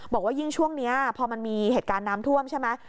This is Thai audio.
บอกว่ายิ่งช่วงนี้พอมันมีเหตุการณ์น้ำท่วมใช่ไหม